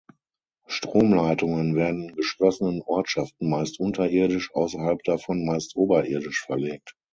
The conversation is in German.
Stromleitungen werden in geschlossenen Ortschaften meist unterirdisch, außerhalb davon meist oberirdisch verlegt.